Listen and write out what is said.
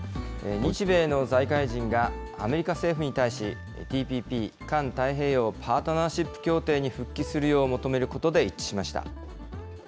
日米の財界人がアメリカ政府に対し、ＴＰＰ・環太平洋パートナーシップ協定に復帰するよう求めることで一致しました。